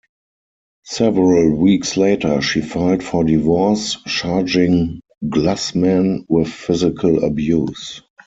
Several weeks later, she filed for divorce, charging Glusman with physical abuse.